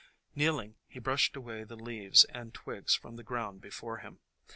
Kneeling, he brushed away the leaves and twigs from the ground before him.